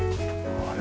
あれ？